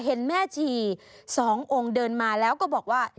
เห็นแม่ชี๒องค์เดินมาแล้วก็บอกว่า